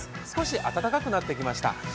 少し暖かくなってきました。